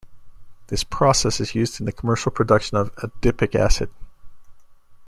This process is used in the commercial production of adipic acid.